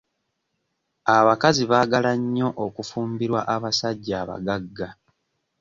Abakazi baagala nnyo okufumbirwa abasajja abagagga.